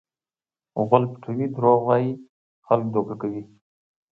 غول پټوي؛ دروغ وایي؛ خلک دوکه کوي.